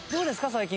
最近。